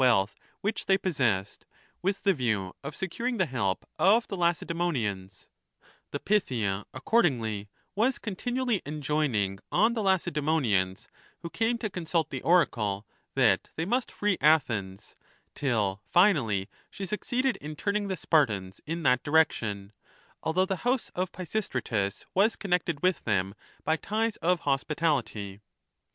wealth which they possessed, with the view of securing the help of the Lacedaemonians. The Pythia accordingly was continually enjoining on the Lacedaemonians who came to consult the oracle, that they must free Athens ; till finally she succeeded in turning the Spartans in that direction, although the house of Pisistratus was connected with them by ties of hospitality.